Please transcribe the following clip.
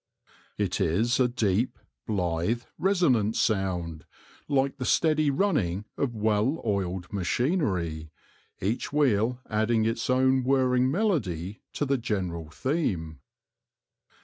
It is a deep, blithe, resonant sound, like the steady run ning of well oiled machinery, each wheel adding its own whirring melody to the general theme.